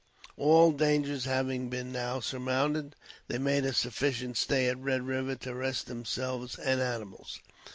All dangers having been now surmounted, they made a sufficient stay at Red River to rest themselves and animals.